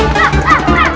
aduh sakit adu